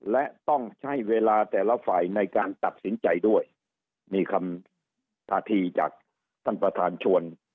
และต้องใช้เวลาแต่ละฝ่ายในการตัดสินใจด้วยนี่คำท่าทีจากท่านประธานชวน